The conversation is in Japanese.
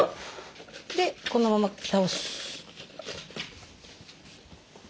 でこのまま倒す。